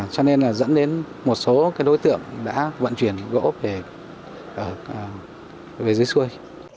cho nên là dẫn đến một số đối tượng đã vận chuyển gỗ về dưới xuôi